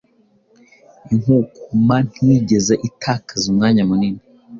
Inkukuma ntiyigeze itakaza umwanya munini